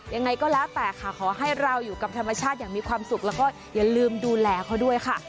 ยังไงก็แล้วแต่ค่ะขอให้เราอยู่กับธรรมชาติอย่างมีความสุขแล้วก็อย่าลืมดูแลเขาด้วยค่ะ